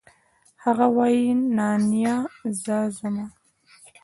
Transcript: هغه وايي نانيه زه ځمه.